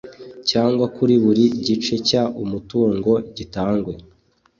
cyangwa kuri buri gice cy umutungo gitangwe